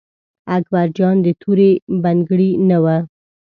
اکبر جان د تورې بنګړي نه و.